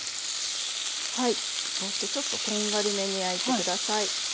こうしてちょっとこんがりめに焼いて下さい。